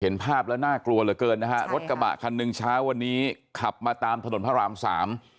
เห็นภาพแล้วน่ากลัวเหลือเกินนะฮะรถกระบะคันหนึ่งเช้าวันนี้ขับมาตามถนนพระรามสาม